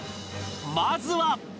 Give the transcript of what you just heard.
まずは